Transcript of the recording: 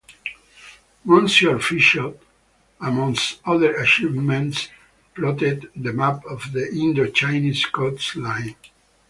Monsieur Fichot, amongst other achievements, plotted the map of the Indo-Chinese coastline.